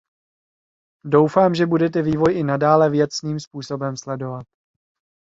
Doufám, že budete vývoj i nadále věcným způsobem sledovat.